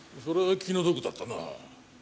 それは気の毒だったな。